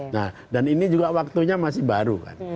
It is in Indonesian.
nah dan ini juga waktunya masih baru kan